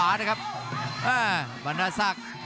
รับทราบบรรดาศักดิ์